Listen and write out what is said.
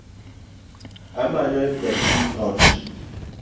Amanyo jatiij ot